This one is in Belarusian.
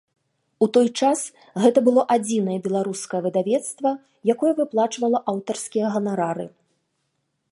У той час гэта было адзінае беларускае выдавецтва, якое выплачвала аўтарскія ганарары.